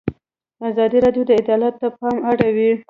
ازادي راډیو د عدالت ته پام اړولی.